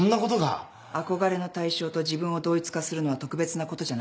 憧れの対象と自分を同一化するのは特別なことじゃない。